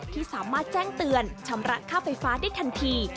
ที่สามารถแจ้งเตือนชำระค่าไฟฟ้าได้ทันที